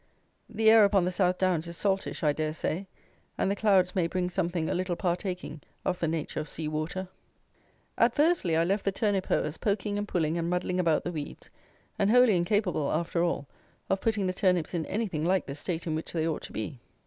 The air upon the South Downs is saltish, I dare say; and the clouds may bring something a little partaking of the nature of sea water. At Thursley I left the turnip hoers poking and pulling and muddling about the weeds, and wholly incapable, after all, of putting the turnips in anything like the state in which they ought to be.